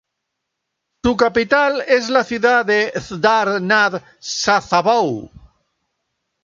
Su capital es la ciudad de Žďár nad Sázavou.